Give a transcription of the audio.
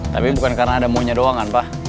tapi bukan karena ada monya doangan pa